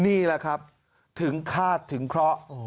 นี่แหละครับถึงคาดถึงเคราะห์